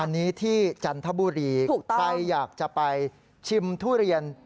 อันนี้ที่จันทบุรีใครอยากจะไปชิมทุเรียน